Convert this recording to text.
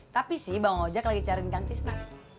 tapi sih bang ojak lagi cari kang tisna